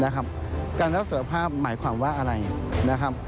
การรับสารภาพหมายความว่าอะไรนะครับ